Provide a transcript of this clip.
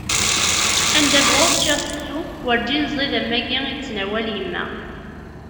Anda bɣuɣ ččiɣ seksu werǧin ẓid am wagi i d-tettnawal yemma.